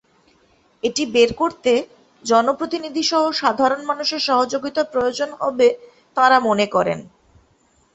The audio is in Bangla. এটি বের করতে জনপ্রতিনিধিসহ স্থানীয় মানুষের সহযোগিতা প্রয়োজন হবে তাঁরা মনে করেন।